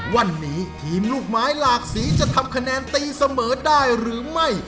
วันนี้ทีมลูกไม้หลากสีจะทำคะแนนตีเสมอได้หรือไม่